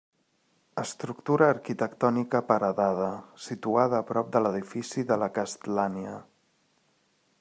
Estructura arquitectònica paredada, situada a prop de l'edifici de La Castlania.